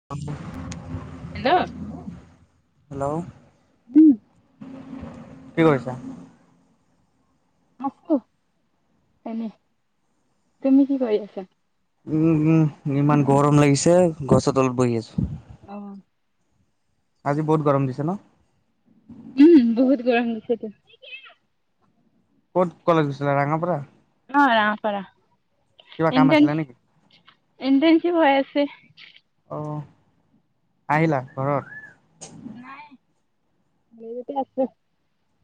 [inaudible] Hello hello উম, কি কৰিছা? আছো এনে তুমি কি কৰি আছা? উম, উম, ইমান গৰম লাগিছে গছৰ তলত বহি আছোঁ অ', আজি বহুত গৰম দিছে ন? উম, বহুত গৰম দিছেটো। ক'ত কলেজ গৈছিলে ৰাঙাপাৰা? অ', ৰাঙাপাৰা কিবা কাম ইণ্নটন আছিলে নেকি? ইণ্টনঞ্চিপ হৈ আছে। অ', আহিলা ঘৰত? নাই [unintelligible] আছে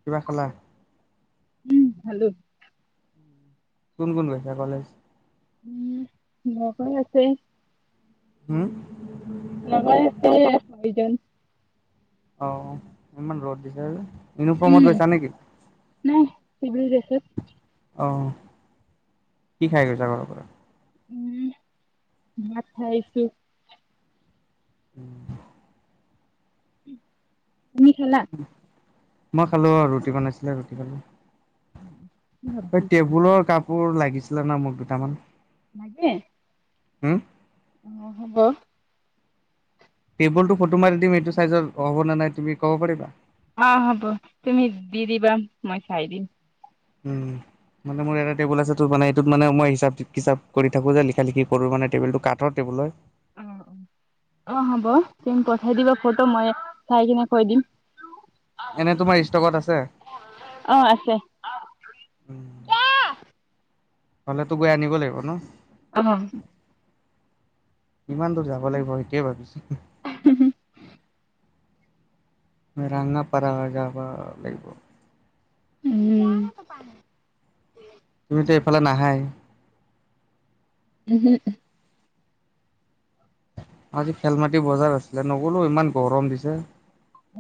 কিবা খালা? উম, খালো কোন কোন গৈছে কলেজ? উম, [unintelligible] আছে হুম, লগৰ আছে দুইজন অ', ইমান ৰদ দিছে আজি ইউনিফৰ্মত উম, গৈছা নেকি? নাই সিবিল ড্ৰেছট অ', কি খাই গৈছা ঘৰৰ পৰা? উম, ভাত খাই আহিছো। উম। তুমি খালা? মই খালো আৰু ৰুটি বনাইছিলে ৰুটি খালো। কি এই চব্জি? টেবুলৰ কাপোৰ লাগিছিলে না মোক দুটামান। লাগে? হম? অ হ'ব। টেবুলটো ফটো মাৰি দিম, এইটো চাইজৰ হ'ব নে নাই তুমি ক'ব পাৰিবা? অ হ'ব তুমি দি দিবা মই চাই দিম। উম। মানে মোৰ এটা টেবুল আছেটো, মানে এইটোত মানে মই হিচাপ কিচাপ কৰি থাকো যে লিখা লিখি কৰো মানে টেবুলটো কাঠৰ টেবুল হয়। অ। অ হ'ব, তুম পঠাই দিবা ফটো মই চাই কিনে কৈ দিম। এনে তোমাৰ ষ্টকত আছে? অ আছে। হলেতো গৈ আনিব লাগিব ন? অ। কিমান দূৰ যাব লাগিব সেইটোয়ে ভাবিছো? উ' [inaudible] ৰঙাপাৰা হৈ যাবা লাগিব। উম' [inaudible] তুমিতো এইফালে নাহায়। ওহুম। আজি খেলমাটি বজাৰ আছিলে, নগ'লো ইমান গৰম দিছে।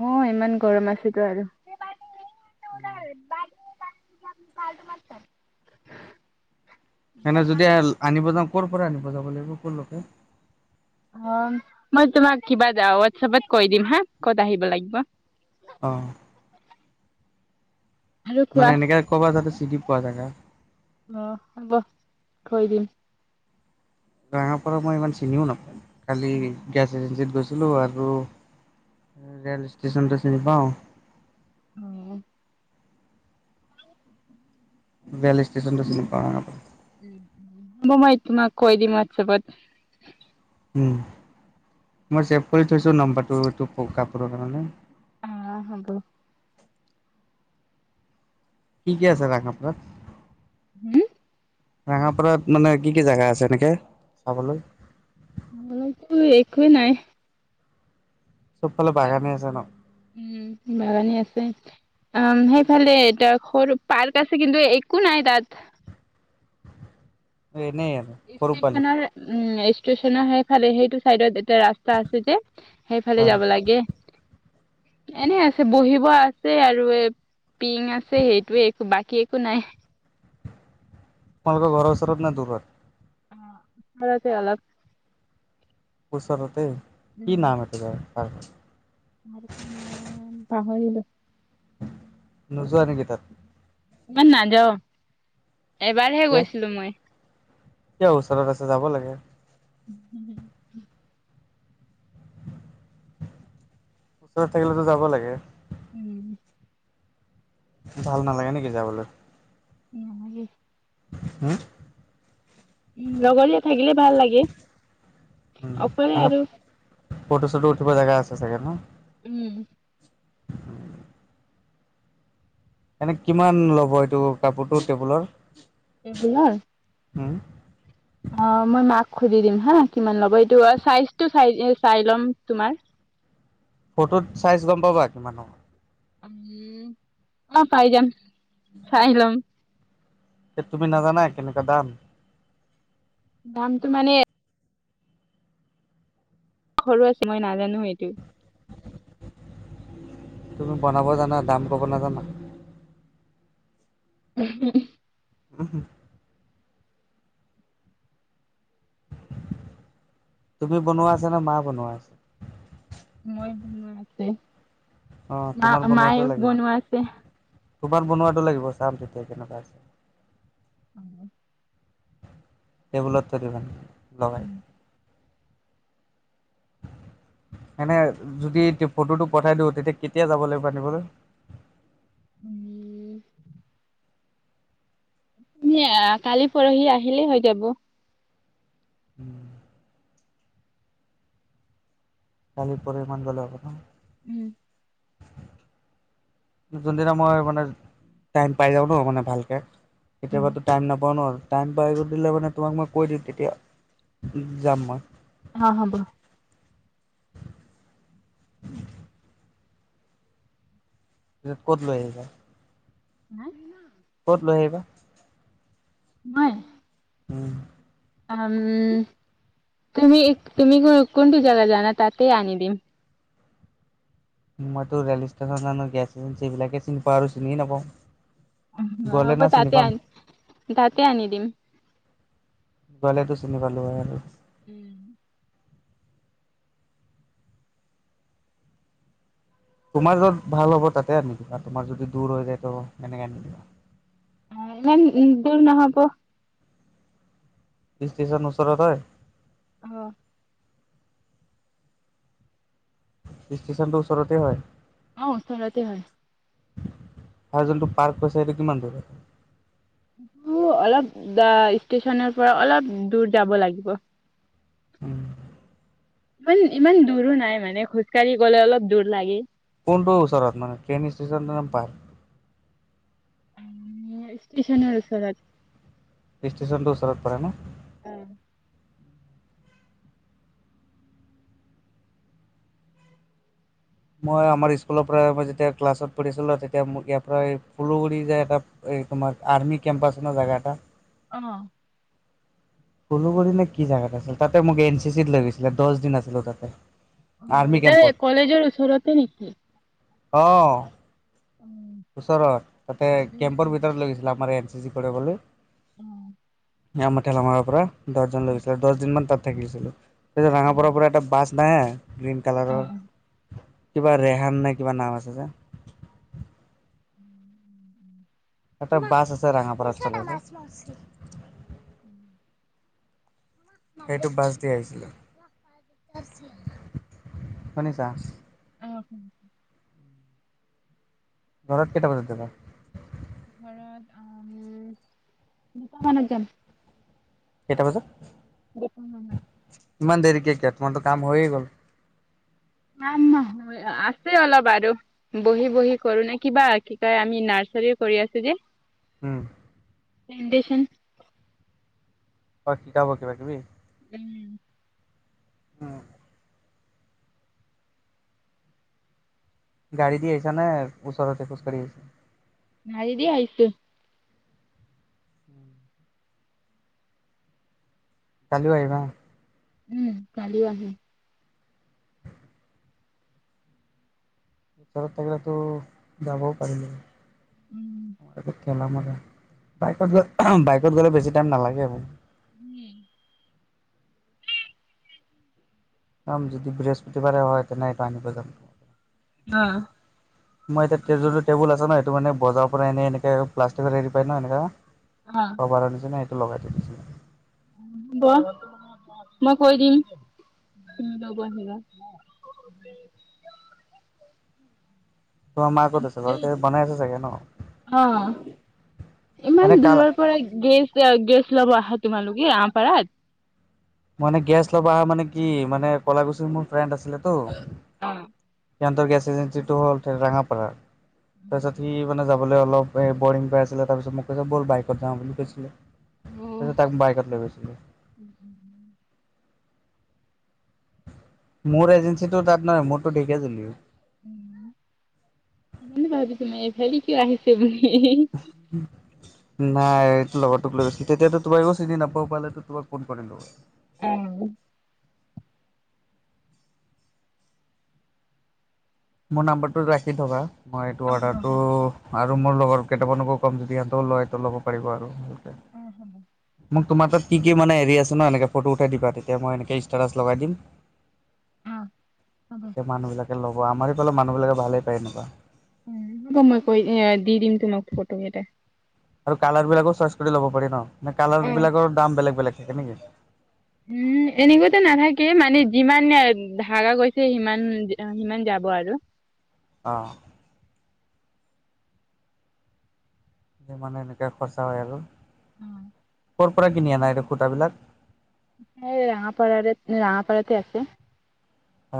অ' ইমান গৰম আছিলে আৰু। [inaudible] [inaudible] [unintelligible] যদি আনিব যাওঁ কৰ পৰা আনিব যাব লাগিব কৰ লৈকে? অ' মই তোমাক কিবা হোৱাটছপত কৈ দিম হা ক'ত আহিব লাগিব। অ'। আৰু মানে কোৱা এনেকে ক'ব যাতে চিটি পোৱা জেগা। অ হ'ব কৈ দিম। ৰঙাপাৰা মই ইমান চিনিও নাপাওঁ, কালি গেছ এজেঞ্চিত গৈছিলোঁ আৰু ৰে'ল ষ্টেশচনটো চিনি পাওঁ। অ। ৰেল ষ্টেশচনটো চিনি পাওঁ আৰু। উম' হব মই তোমাক কৈ দিম হোৱাটছএপত। উম মই চেভ কৰি থৈছোঁ নম্বৰটো, এইটো কাপোৰৰ কাৰণে। অ' হ'ব। কি কি আছে ৰঙাওপাৰাত? হম? ৰঙাপাৰাত মানে কি কি জেগা আছে এনেকে চাবলৈ? চাবলৈ টো একোৱেই নাই। সব ফালে বাগানেই আছে ন? উম' বাগানে আছে। আম' সেইফালে এটা সৰু পাৰ্ক আছে কিন্তু একো নাই তাত। এনেই আৰু! সৰু পোৱালি ষ্টেচনৰ উ ষ্টেচনৰ সেইফালে সেইটো চাইডত এটা ৰাস্তা ৰাস্তা আছে যে অ সেইফালে যাব লাগে। এনে আছে, বহিব আছে আৰু এ পিং আছে, সেইটোয়ে একো বাকী একো নাই। আপোনালোকৰ ঘৰৰ ওচৰত নে দূৰত? অঁ, ওচৰতে অলপ! ওচৰতে কি উম নাম সেইফালে পাৰ্ক? পাহৰিলো! নোযোৱা নিকি তাত? ইমান নাযাওঁ! এবাৰহে কিয় গৈছিলো মই। কিয়? ওচৰত আছে যাব লাগে। [unintelligible] ওচৰত, থাকিলেতো যাব লাগে! উম! ভাল নালাগে নেকি যাবলে? নহয় দেই! হুম লগৰীয়া থাকিলে ভাল লাগে। উম অকলে এনে আৰু ফটো, চটো উঠিব জেগা আছে চাগে ন! উম! এনে কিমান ল'ব এইটো কাপোৰটো টেবুলৰ? টেবুলৰ? হুম অ মই মাক সুধি দিম হা! কিমান ল'ব এইটো চাইজটো চাই, চাই ল'ম তোমাৰ। ফটোত চাইজ গম পাবা কিমান ডাঙৰ? উম! অ পাই যাম, চাই লম। এ, তুমি নাজানা কেনেকুৱা দাম? দামটো মানে সৰু আছে মই নাজানো এইটো। তুমি বনাব জানা! দাম ক'ব নাজানা? [unintelligible] উম হু! তুমি বনোৱা আছে নে! মা বনোৱা আছে? মই বনোৱা আছে, অ তোমাৰ মাই বনোৱাটো লাগিব বনোৱা আছে। তোমাৰ বনোৱাটো লাগিব! চাম তেতিয়া কেনেকুৱা আছে? টেবুলত থৈ দিবা লগাই। উম, এনে যদি ফটোটো পঠাই দিওঁ, তেতিয়া কেতিয়া যাব লাগিব আনিবলৈ? উম এ কালি, পৰহি আহিলেই হৈ যাব। উম! কালি, পৰহি মান গ'লে হব ন? উম! যোনদিনা মই মানে টাইম পাই যাওঁ ন মানে ভালকে কেতিয়াবাতো টাইম নাপাওঁ ন আৰু টাইমপাই দিলে মানে তোমাক মই কৈ দিম তেতিয়া যাম মই অঁ হ'ব। [inaudible] ক'ত লৈ আহিবা? হে ক'ত লৈ আহিবা? মই? উম। উম তুমি তুমি কোনটো জাগাত জানা তাতে আনি দিম মইতো ৰেল ষ্টেচন জানো গেছ এজেঞ্চি এইবিলাকে চিনি পাওঁ আৰু চিনিয়ে নাপাওঁ অ গ'লে হ'ব না চিনি তাতে পাম আনি তাতে আনি দিম। গলেটো চিনি পালো হয় আৰু। উম। তোমাৰ যত ভাল হ'ব তাতে আনি দিবা তোমাৰ যদি দূৰ হৈ যায় ত' কেনেকে আনি দিবা অ ইমান দূৰ নহ'ব। ষ্টেচন ওচৰত হয়? অঁ। ষ্টেচনটো ওচৰতে হয়? অঁ ওচৰতে হয়। আৰু যোনটো পাৰ্ক কৈছা সেইটো কিমান দূৰ হয়? সেইটো অলপ ষ্টেচনৰ পৰা অলপ দূৰ যাব লাগিব। উম। ইমান ইমান দূৰো নাই মানে খোজ কাঢ়ি গ'লে অলপ দূৰ লাগে। কোনটো ওচৰত মানে ট্ৰেইন ষ্টেচন নে পাৰ্ক? এ ষ্টেচনৰ ওচৰত। ষ্টেচনটো ওচৰত পৰে ন উম মই আমাৰ স্কুলৰ পৰাই মই যেতিয়া ক্লাছত পঢ়িছিলো তেতিয়া মোক ইয়াৰ পৰা হুলোগুৰি যায় তাত এই তোমাৰ আৰ্মি কেম্প আছে ন জেগা এটা অঁ। হুলোগুৰি নে কি জেগাত আছিল তাতে মোক এন চি চিত লৈ গৈছিলে দহ দিন আছিলো তাতে। অ আৰ্মি তাৰ কলেজৰ ওচৰতে নেকি? কেম্পত। অঁহ। উম ওচৰত তাতে কেম্পৰ উম ভিতৰত লৈ গৈছিলে আমাৰ এন চি চি কৰিবলৈ। অঁ। আমাৰ ঠেলামাৰ পৰা দহজন লৈ গৈছিল আৰু দহ দিন মান তাত থাকিছিলো তাৰপিছত উম, ৰঙাপাৰাৰ পৰা এটা বাছ না গ্ৰীণ অ কালাৰৰ কিবা ৰেহান নে কিবা নাম আছে যে [inaudible] এটা বাছ আছে ৰঙাপাৰা [unintelligible] [inaudible] সেইটো বাছ দি আহিছিলো। শুনিছা? অঁ। ঘৰত কেইটা বজাত যাবা? ঘৰত উম দুুটা মানত যাম। কেইটা বজাত? এতিয়া কোনো নাই ইমান দেৰিকে কিয় তোমাৰতো কাম হৈয়ে গ'ল নাই না আছে অলপ আৰু বহি বহি কৰো ন কিবা কি কয় আমি নাৰ্চাৰী কৰি আছো যে হুম ন্দেচন অ শিকাব কিবা কিবি উম অ গাড়ী দি আহিছা নে ওচৰতে খোজ কঢ়ি আহিছে গাড়ী দিয়ে আহিছো কালিও আহিবা উম কালিও আহিম ওচৰত থাকিলেতো যাবও পাৰিলো উম, হয় খেলা মতে বাইকত গ বাইকত গ'লে বেছি টাইম নালাগে আৰু উম যাম যদি বৃহস্পতিবাৰে হয় তেনেকা আনিব যাম অ [unintelligible] মই এতিয়া টেজু টবুল আছে ন সেইটো মানে বজাৰ পৰা এনে এনেকে প্লষ্টিকৰ হেৰি পাই ন এনেকা অ কভাৰৰ নিছিনা সেইটো লগাই থৈ দিছিলে হ ব মই কৈ দিম নব আহিলে [unintelligible] তোমাৰ মা কত আছে ঘৰতে বনাই আছে চাগে ন অ এনে কা পাৰা গেছ গেছ ল'ব আহা তোমালোকে আমপাৰাত মানে গেছ ল'ব আহা মানে কি মানে কলা গুছিৰ মোৰ ফ্ৰেণ্ড আছিলে ত' অ সিহঁতৰ গেছ এজেঞ্চিটো হল ৰাঙাপাৰাৰ তাৰপিছত সি মানে যাব কলে অলপ বৰিং পাই আছিলে তাৰপিছত মোক কৈছে ব'ল বাইকত যাওঁ বুলি কৈছিলে তাচত তাক বাইকত লৈ গৈছিলো উম উম মোৰ এজেঞ্চিটো তাত নহয় মোৰতো ঢেকীয়াজুলিৰ সেইকাৰে ভাবিছো মই এইফালে কিয় আহিছে বুলি উম নাই এইটো লগৰটোক লৈ গৈছি তেতিয়াত তোমাকো চিনি নাপাও পালেতো তোমাক ফোন কৰিলো হয় উম মোৰ নাম্বাৰটো ৰাখি থবা মই এইটো অৰ্ডাৰটো আৰু মোৰ লগৰ কেইটামানকো ক'ম যদি ইহঁতক লয়টো ল'ব পাৰিব আৰু ভালকে অ হব মোক তোমাৰ তাত কি মানে হেৰি আছে ন এনে ফটো উঠাই দিবা তেতিয়া মই এনেকে ষ্টেটাছ লগাই দিম তেতিয়া মানুহ বিলাকে ল'ব আমাৰ এইফালে মানুহ বিলাকে ভালেই পায় এনকা উ মই কৈ দি দিম তোমাক ফটো কেইটা আৰু কালাৰ বিলাকো চইচ কৰি লব পাৰি ন নে কালাৰ বিলাকৰ দাম বেলেগ বেলেগ থাকে নেকি উম এনেকাত নাথাকে মানে যিমান ধাকা গৈছে সিমান সিমান যাব আৰু অ'। মানে এনেকে খৰচা হয় আৰু। অম। ক'ৰ পৰা কিনি আনাএই খূতা বিলাক? এই ৰাঙাপাৰাৰে ৰাঙাপাৰাতে আছে।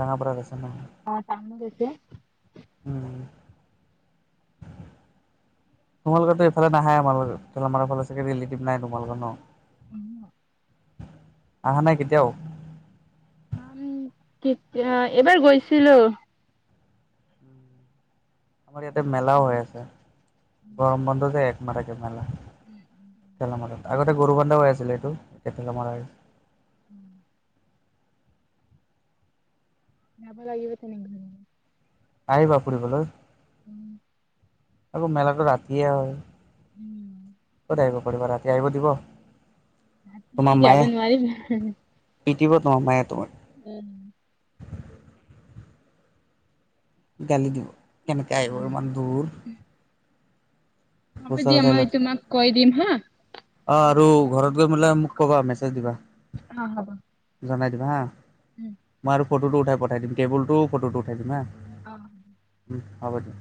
ৰঙা পাৰাত আছে নহ। অ', [unintelligible] উম। তোমালোকৰোতো এইফালে নাহে আমাৰ আমাৰ ফালে চাগে ৰিলেটিভ নাই তোমালোকৰ ন। উম। অহা নাই কেতিয়াও। উম, কেতিয়া এবাৰ গৈছিলোঁ। আমাৰ ইয়াতে মেলাও হৈ আছে গৰম বন্ধু যে একমাহ থাকে মেলা। উম, উম, উম। কেলামাৰত আগতে গৰু বান্ধাও হৈ আছিলে এইটো কেলামাৰত হম। যাবা লাগিব তেনেহ'লে আহিবা ফুৰিবলৈ। উম। আকৌ মেলাটো ৰাতিয়ে হয়। উম। কৰিব পাৰিবা ৰাতি আহিব দিব। ই যাব নোৱাৰিম। পিতিব তোমাৰ মায়ে তোমাৰ। উম। গালি দিব কেনেকে আহিব ইমান দূৰ। হ'ব দিয়া ওচৰত মই আহিলে তোমাক কৈ দিম হা। অ', আৰু ঘৰত গৈ মোলে মোক ক'বা মেছেজ দিবা। অ', হ'ব। জনাই দিবা হা। উম। মই আৰু ফটো উঠাই পঠাই দিম কেবুল টোও ফটো উঠাই দিম হা। অ'। উম হ'ব দিয়া।